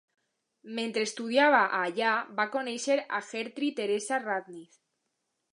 Mentre estudiava a allà va conèixer a Gerty Theresa Radnitz.